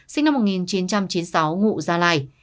sinh năm một nghìn chín trăm chín mươi sáu ngụ gia lai